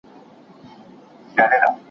زه بايد لاس پرېولم،